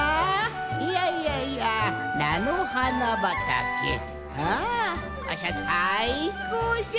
いやいやいやなのはなばたけあわしはさいこうじゃ！